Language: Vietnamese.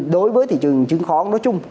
đối với thị trường chứng khoán